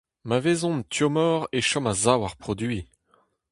Ma vezont tommoc'h e chom a-sav ar produiñ.